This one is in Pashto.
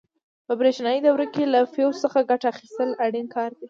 په برېښنایي دورو کې له فیوز څخه ګټه اخیستل اړین کار دی.